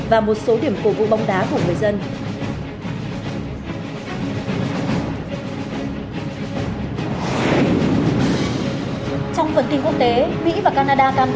và một số điểm cổ vũ bóng đá của người dân